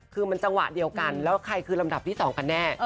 คือมันจังหวะเดียวกันแล้วใครคือลำดับที่๒กันแน่